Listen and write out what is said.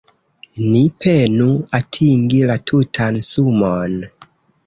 Ni penu atingi la tutan sumon.